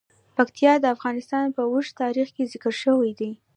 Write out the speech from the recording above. پکتیا د افغانستان په اوږده تاریخ کې ذکر شوی دی.